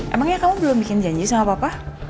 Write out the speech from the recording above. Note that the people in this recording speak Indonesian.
emangnya kamu belum bikin janji sama papa